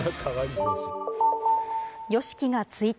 ＹＯＳＨＩＫＩが追悼。